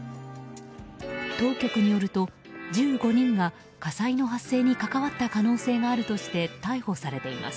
当局によると１５人が火災の発生に関わった可能性があるとして逮捕されています。